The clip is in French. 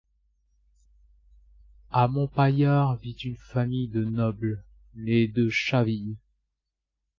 À Montpaillard vit une famille de nobles, les de Chaville.